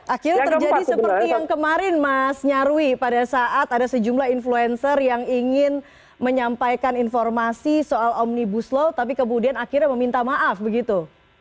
akhirnya terjadi seperti yang kemarin mas nyarwi pada saat ada sejumlah influencer yang ingin menyampaikan informasi soal omnibus law tapi kemudian akhirnya meminta maaf begitu